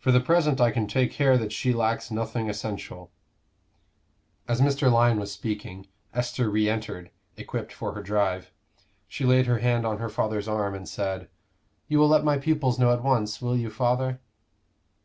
For the present I can take care that she lacks nothing essential." As Mr. Lyon was speaking, Esther re entered, equipped for her drive. She laid her hand on her father's arm and said, "You will let my pupils know at once, will you, father?"